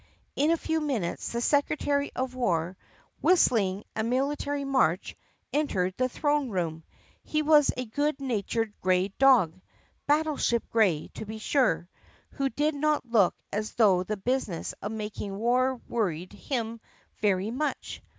In a few minutes the secretary of war, whistling a military march, entered the throne room. He was a good natured gray dog (battle ship gray, to be sure) who did not look as though the business of making war worried him very much.